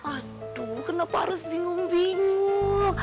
aduh kenapa harus bingung bingung